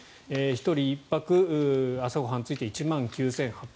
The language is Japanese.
１人１泊、朝ご飯がついて１万９８００円。